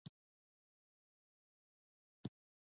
د لیک ځواک بېپایه دی.